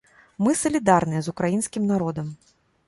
Мы салідарныя з украінскім народам!